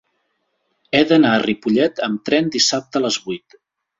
He d'anar a Ripollet amb tren dissabte a les vuit.